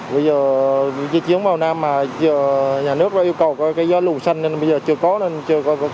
bây giờ chỉ chiếm vào nam mà nhà nước yêu cầu cái gió lủ xanh nên bây giờ chưa có nên chưa qua được